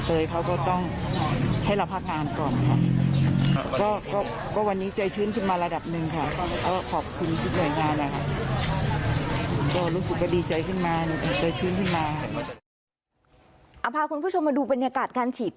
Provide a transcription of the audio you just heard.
พาคุณผู้ชมมาดูบรรยากาศการฉีด